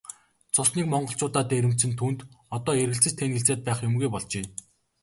Цус нэгт монголчуудаа дээрэмдсэн түүнд одоо эргэлзэж тээнэгэлзээд байх юмгүй болжээ.